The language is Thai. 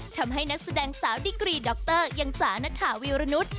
ทำให้นักแสดงสาวดิกรีดรคุณจานทาเวียระนุษย์